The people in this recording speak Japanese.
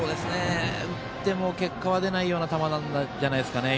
打っても結果は出ないような球じゃないでしょうか。